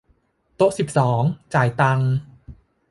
โต๊ะสิบสอง จ่ายตังค์